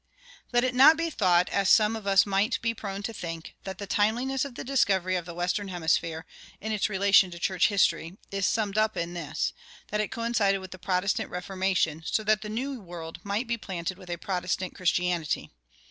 Let it not be thought, as some of us might be prone to think, that the timeliness of the discovery of the western hemisphere, in its relation to church history, is summed up in this, that it coincided with the Protestant Reformation, so that the New World might be planted with a Protestant Christianity.